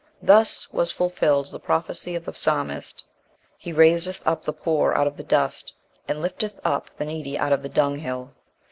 Thus was fulfilled the prophecy of the Psalmist: "He raiseth up the poor out of the dust, and lifteth up the needy out of the dunghill."